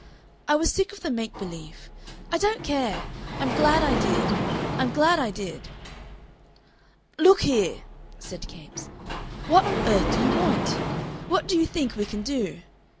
"I was sick of the make believe. I don't care! I'm glad I did. I'm glad I did." "Look here!" said Capes, "what on earth do you want? What do you think we can do?